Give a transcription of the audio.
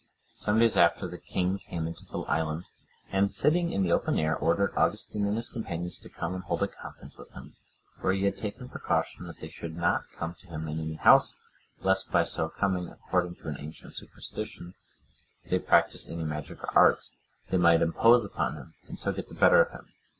Some days after, the king came into the island, and sitting in the open air, ordered Augustine and his companions to come and hold a conference with him. For he had taken precaution that they should not come to him in any house, lest, by so coming, according to an ancient superstition, if they practised any magical arts, they might impose upon him, and so get the better of him.